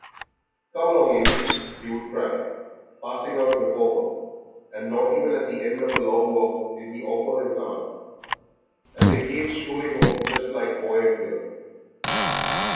"Come along, Amy," he would cry, passing out before her; and not even at the end of a long walk did he offer her his arm; and they came strolling home just like boy and girl.